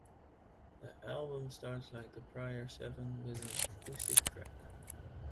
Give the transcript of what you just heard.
The album starts like the prior seven, with an acoustic track.